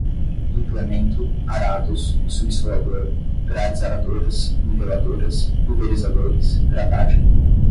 implemento, arados, subsolador, grades aradoras, niveladoras, pulverizadores, gradagem